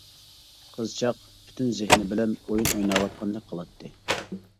قىزچاق پۈتۈن زېھنى بىلەن ئويۇن ئويناۋاتقاندەك قىلاتتى.